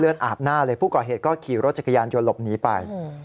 อาบหน้าเลยผู้ก่อเหตุก็ขี่รถจักรยานยนต์หลบหนีไป